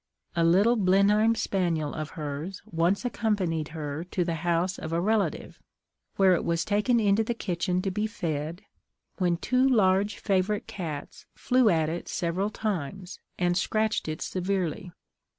A little Blenheim spaniel of hers once accompanied her to the house of a relative, where it was taken into the kitchen to be fed, when two large favourite cats flew at it several times, and scratched it severely.